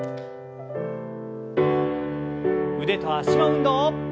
腕と脚の運動。